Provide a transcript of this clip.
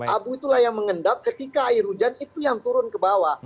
abu itulah yang mengendap ketika air hujan itu yang turun ke bawah